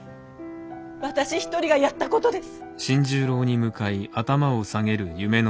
私一人がやったことです。